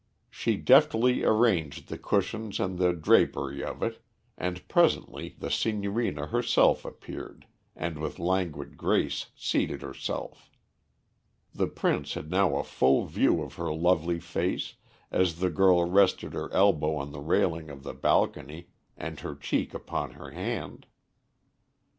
She deftly arranged the cushions and the drapery of it, and presently the Signorina herself appeared, and with languid grace seated herself. The Prince had now a full view of her lovely face, as the girl rested her elbow on the railing of the balcony, and her cheek upon her hand.